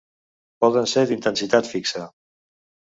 Poden ser d'intensitat fixa.